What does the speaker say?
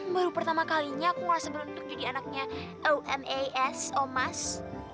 baru pertama kalinya aku merasa beruntuk jadi anaknya omas